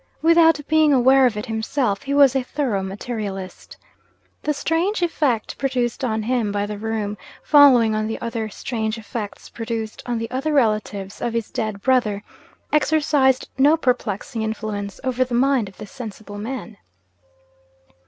Without being aware of it himself, he was a thorough materialist. The strange effect produced on him by the room following on the other strange effects produced on the other relatives of his dead brother exercised no perplexing influence over the mind of this sensible man.